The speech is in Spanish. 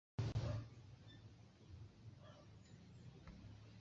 Ha presentado su espectáculo en ciudades como Quito, Ecuador.